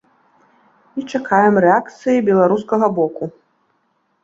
І чакаем рэакцыі беларускага боку.